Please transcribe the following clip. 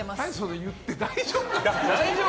言って大丈夫？